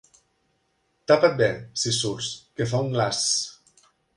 Tapa't bé, si surts, que fa un glaç!